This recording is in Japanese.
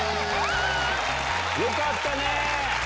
よかったね！